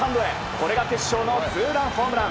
これが決勝のツーランホームラン。